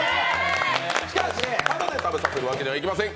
しかし、ただで食べさせるわけにはいきません！